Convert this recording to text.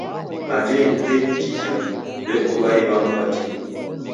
Aja idukenyi jija, w'eko w'ai wamu w'atini.